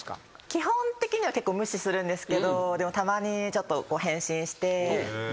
基本的には結構無視するんですけどでもたまにちょっと返信して。